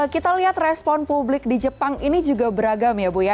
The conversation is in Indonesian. kita lihat respon publik di jepang ini juga beragam ya bu ya